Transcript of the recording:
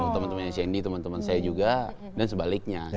teman teman shandy teman teman saya juga dan sebaliknya